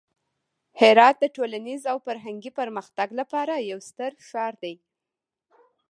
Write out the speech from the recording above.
هرات د ټولنیز او فرهنګي پرمختګ لپاره یو ستر ښار دی.